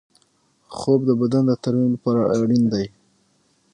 خوب د بدن د ترمیم لپاره اړین دی